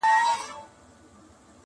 • پر اوږو يې كړ پوستين پسي روان سو -